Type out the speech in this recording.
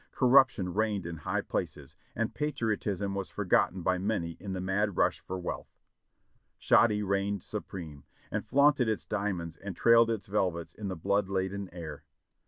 Corruption reigned in high places, and patriotism was forgotten by many in the mad rush for wealth. Shoddy reigned supreme, and flaunted its diamonds and trailed its velvets in the blood laden air.